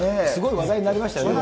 話題になりましたよね。